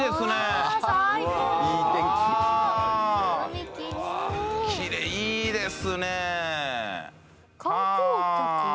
きれいいいですね！